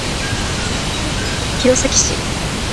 青森県弘前市